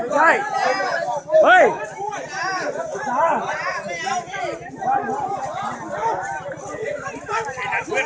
ปรับประจำกัดขึ้น